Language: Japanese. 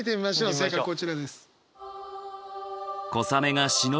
正解こちらです。